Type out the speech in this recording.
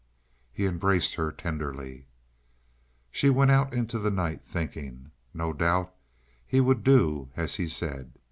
He embraced her tenderly. She went out into the night, thinking. No doubt he would do as he said.